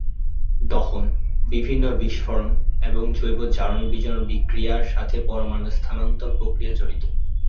দহন, বিভিন্ন বিস্ফোরণ, এবং জৈব জারণ-বিজারণ বিক্রিয়ার সাথে পরমাণু স্থানান্তর প্রক্রিয়া জড়িত।